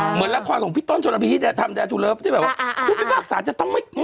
เหมือนละครของพี่ต้นโชรภีศแดดทวรัฐพุทธภาคศาสตร์